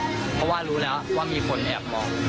เพราะว่ารู้แล้วว่ามีคนแอบมอง